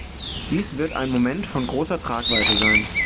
Dies wird ein Moment von großer Tragweite sein.